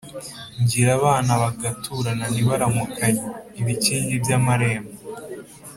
Ngira abana bagaturana ntibaramukanye-Ibikingi by'amarembo.